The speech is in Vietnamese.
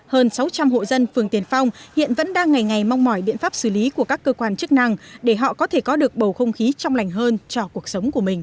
hơn sáu trăm linh hộ dân phường tiền phong hiện vẫn đang ngày ngày mong mỏi biện pháp xử lý của các cơ quan chức năng để họ có thể có được bầu không khí trong lành hơn cho cuộc sống của mình